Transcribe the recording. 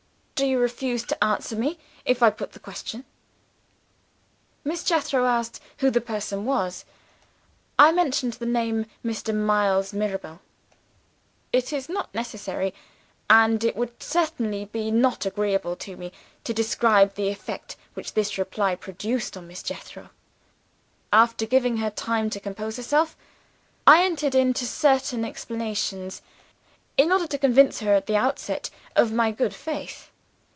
Do you refuse to answer me, if I put the question?' "Miss Jethro asked who the person was. "I mentioned the name Mr. Miles Mirabel. "It is not necessary, and it would certainly be not agreeable to me, to describe the effect which this reply produced on Miss Jethro. After giving her time to compose herself, I entered into certain explanations, in order to convince her at the outset of my good faith.